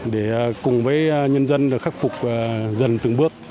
để cùng với nhân dân khắc phục dần từng bước